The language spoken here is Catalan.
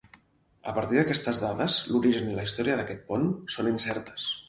A partir d'aquestes dades, l'origen i la història d'aquest pont són incertes.